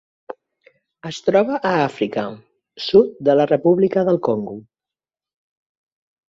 Es troba a Àfrica: sud de la República del Congo.